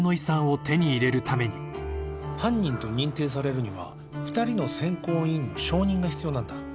犯人と認定されるには２人の選考委員の承認が必要なんだ